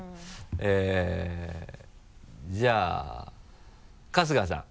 えっじゃあ春日さん。